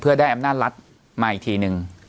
เพื่อได้อำนาจรัฐมาอีกทีนึง